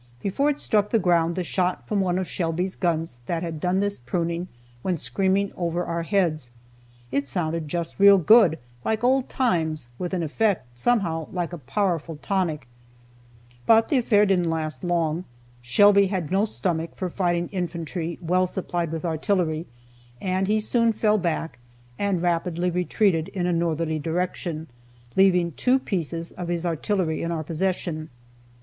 Before it struck the ground the shot from one of Shelby's guns that had done this pruning went screaming over our heads. It sounded just real good, like old times, with an effect, somehow, like a powerful tonic. But the affair didn't last long. Shelby had no stomach for fighting infantry, well supplied with artillery, and he soon fell back, and rapidly retreated in a northerly direction, leaving two pieces of his artillery in our possession.